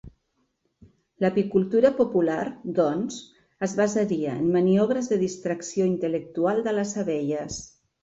L'apicultura popular, doncs, es basaria en maniobres de distracció intel·lectual de les abelles.